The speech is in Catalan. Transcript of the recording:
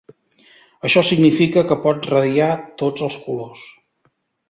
Això significa que pot radiar tots els colors.